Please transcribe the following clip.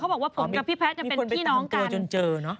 เขาบอกว่าผมกับพี่แพทนจะเป็นพี่น้องกันมีคนไปตามตัวจนเจอเนอะ